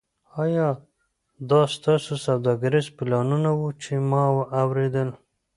ایا دا ستاسو سوداګریز پلانونه وو چې ما اوریدل